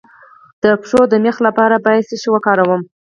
د پښو د میخ لپاره باید څه شی وکاروم؟